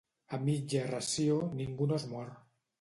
A mitja ració, ningú no es mor.